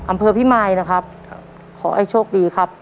อำเภอพิมายนะครับขอให้โชคดีครับ